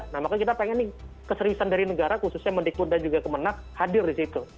nah makanya kita ingin keseriusan dari negara khususnya mendikbud dan juga kemenang hadir disitu